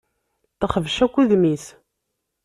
Texbec akk udem-is.